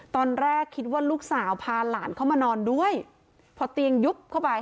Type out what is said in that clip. ตอนแรกคิดว่าลูกสาวพาหลานเข้ามานอนด้วยพอเตียงยุบเข้าไป